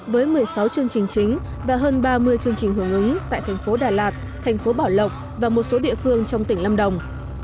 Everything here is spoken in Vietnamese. với một mươi sáu chương trình chính và hơn ba mươi chương trình hưởng ứng tại thành phố đà lạt thành phố bảo lộc và một số địa phương trong tỉnh lâm đồng